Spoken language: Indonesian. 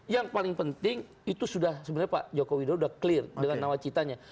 yang paling penting itu sudah sebenarnya pak joko widodo sudah clear dengan nawacitanya